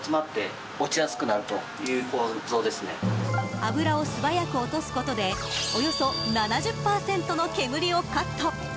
脂を素早く落とすことでおよそ７０％の煙をカット。